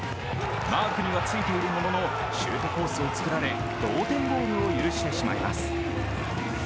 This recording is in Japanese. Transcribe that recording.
マークにはついているもののシュートコースを作られ、同点ゴールを許してしまいます。